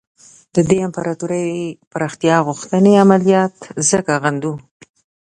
د دې امپراطوري پراختیا غوښتنې عملیات ځکه غندو.